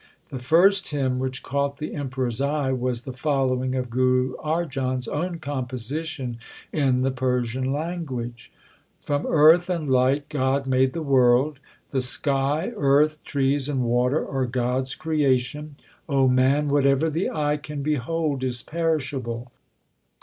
The first hymn which caught the Emperor s eye was the following of Guru Arjan s own composition in the Persian language : From earth and light God made the world : The sky, earth, trees and water are God s creation. man, whatever the eye can behold is perishable.